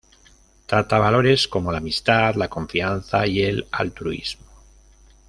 Trata valores como la amistad, la confianza y el altruismo.